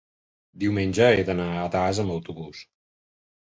diumenge he d'anar a Das amb autobús.